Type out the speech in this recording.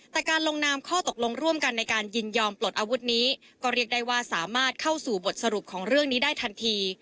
แต่การลงนามข้อตกลงร่วมกันในการยินยอมปลดอาวุธนี้ก็เรียกได้ว่าสามารถเข้าสู่บทสรุปของเรื่องนี้ได้ทันที